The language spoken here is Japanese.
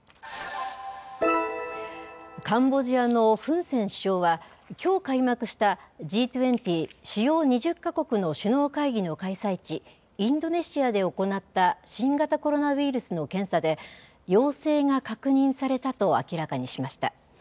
カンボジアのフン・セン首相は、きょう開幕したＧ２０・主要２０か国の首脳会議の開催地、インドネシアで行った新型コロナウイルスの検査で、陽性が確認されたと明らかにしました。